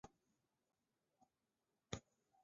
作品围绕小公务员贝兰吉的一场荒诞奇遇展开。